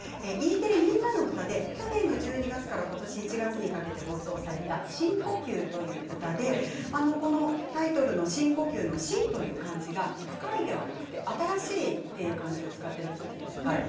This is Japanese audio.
Ｅテレ「みんなのうた」で去年の１２月から今年１月にかけて放送された「新呼吸」という歌でタイトルの「新呼吸」のしんという漢字が深いではなくて新しいという漢字を使っていらっしゃるんですよね。